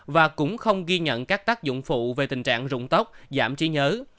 và cũng không ghi nhận các tác dụng phụ về tình trạng rụng tóc giảm trí nhớ